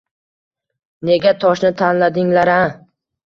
Nega toshni tashladinglar a?